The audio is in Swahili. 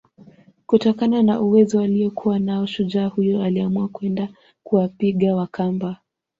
Kutokana na uwezo aliokuwa nao shujaa huyo aliamua kwenda kuwapiga Wakamba